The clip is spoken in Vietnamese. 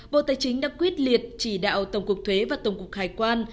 bộ tài chính đã quyết liệt chỉ đạo tổng cục thuế và tổng cục hải quan